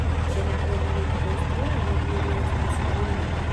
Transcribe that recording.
De la romanika konstruaĵo nur restas ruino.